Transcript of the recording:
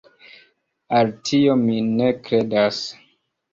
Al tio mi ne kredas.